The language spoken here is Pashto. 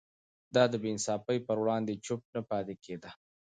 ده د بې انصافي پر وړاندې چوپ نه پاتې کېده.